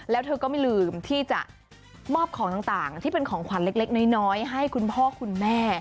แล้วเธอก็ไม่ลืมที่จะมอบของต่างที่เป็นของขวัญเล็กน้อยให้คุณพ่อคุณแม่